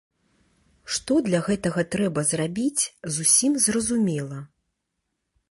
Што для гэтага трэба зрабіць, зусім зразумела.